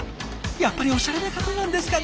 やっぱりおしゃれな方なんですかね？